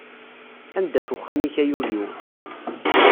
Anda-t uxxam-ik ay ul-iw.